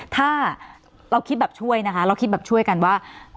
ถ้าเราคิดแบบช่วยค่ะ